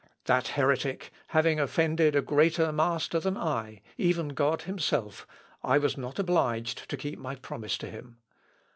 That heretic having offended a greater master than I, even God himself, I was not obliged to keep my promise to him.